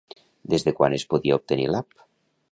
Des de quan es podia obtenir l'app?